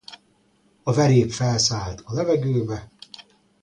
Hérodotosz azonban nem látta a Szfinxet és egyetlen szóval sem említi.